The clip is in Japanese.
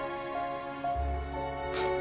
フッ。